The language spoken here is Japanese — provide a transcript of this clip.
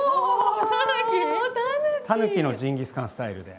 タヌキのジンギスカンスタイルで。